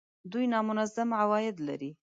دوی نامنظم عواید لري